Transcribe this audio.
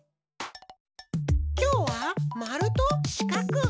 きょうはまるとしかく。